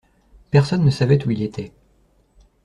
Personne ne savait où il était.